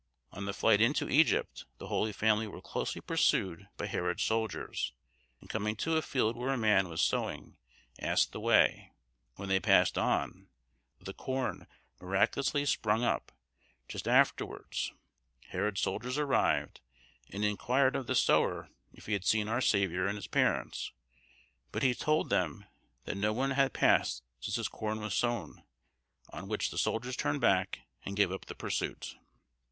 On the flight into Egypt, the holy family were closely pursued by Herod's soldiers, and coming to a field where a man was sowing asked the way: when they had passed on, the corn miraculously sprang up; just afterwards Herod's soldiers arrived and inquired of the sower if he had seen our Saviour and his parents, but he told them that no one had passed since his corn was sown, on which the soldiers turned back and gave up the pursuit.